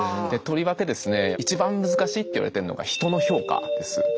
とりわけですね一番難しいって言われてるのが人の評価です。